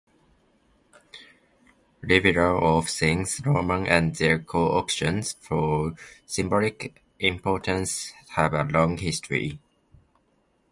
Revival of things Roman and their co-option for symbolic importance have a long history.